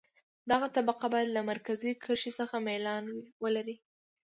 دغه طبقه باید له مرکزي کرښې څخه میلان ولري